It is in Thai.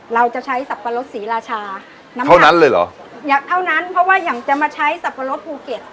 เราจะใช้สับปะรดศรีราชาน้ำเท่านั้นเลยเหรออยากเท่านั้นเพราะว่าอย่างจะมาใช้สับปะรดภูเก็ต